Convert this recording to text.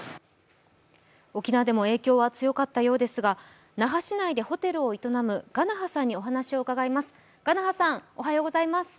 沖縄でも影響は強かったようですが、那覇市内でホテルを営む我那覇さんにお話を伺います。